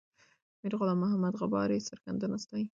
میرغلام محمد غبار یې سرښندنه ستایي.